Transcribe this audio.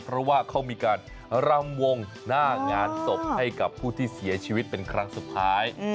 เพราะว่าเขามีการรำวงหน้างานศพให้กับผู้ที่เสียชีวิตเป็นครั้งสุดท้าย